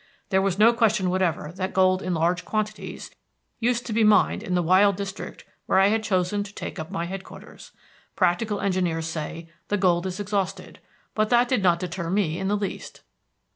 There was no question whatever that gold in large quantities used to be mined in the wild district where I had chosen to take up my headquarters. Practical engineers say that the gold is exhausted, but that did not deter me in the least.